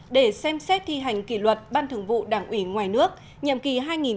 để xem xét thi hành kỷ luật ban thường vụ đảng ủy ngoài nước nhiệm kỳ hai nghìn một mươi hai nghìn một mươi năm